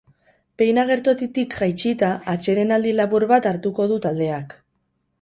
Behin agertokitik jaitsita, atsedenaldi labur bat hartuko du taldeak.